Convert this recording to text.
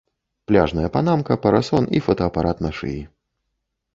Пляжная панамка, парасон і фотаапарат на шыі.